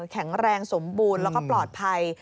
แข็งแรงสมบูรณ์แล้วก็ปลอดภัย